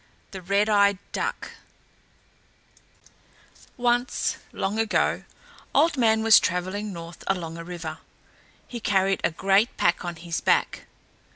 THE RED EYED DUCK Once, long ago, Old Man was travelling north along a river. He carried a great pack on his back.